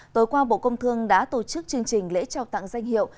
tối qua bộ công thương đã tổ chức chương trình lễ trao tặng danh hiệu